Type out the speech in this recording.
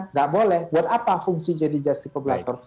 nggak boleh buat apa fungsi jadi justice collaborator